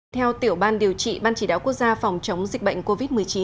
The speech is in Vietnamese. theo tiểu ban điều trị ban chỉ đạo quốc gia phòng chống dịch bệnh covid một mươi chín